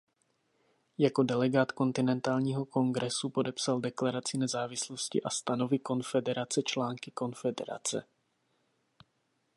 Jako delegát kontinentálního kongresu podepsal Deklaraci nezávislosti a stanovy Konfederace Články Konfederace.